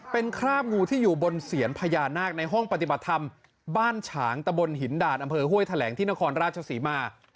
เป็นคราบงูที่อยู่บนเสียนพญานาคในห้องปฏิบัติธรรมบ้านฉางตะบนหินดาดอำเภอห้วยแถลงที่นครราชศรีมา